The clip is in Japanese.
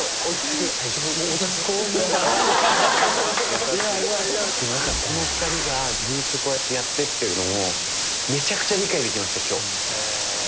でも何かこの２人がずっとこうやってやってってるのもめちゃくちゃ理解できました今日。